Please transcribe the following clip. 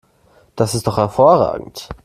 Das ist doch hervorragend!